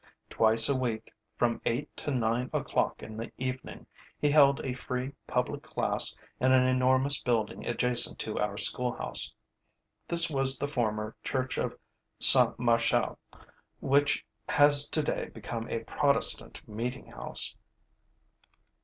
Twice a week, from eight to nine o'clock in the evening, he held a free public class in an enormous building adjacent to our schoolhouse. This was the former Church of Saint Martial, which has today become a Protestant meeting house.